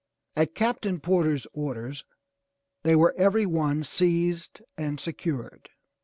At Captain Porter's orders, they were every one seized and secured.